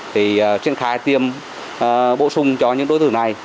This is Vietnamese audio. thì triển khai tiêm bổ sung cho những đối thủ này